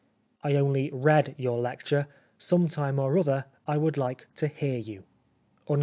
" I only read your lecture — some time or other I would like to hear you."